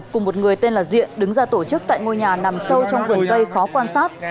cùng một người tên là diện đứng ra tổ chức tại ngôi nhà nằm sâu trong vườn cây khó quan sát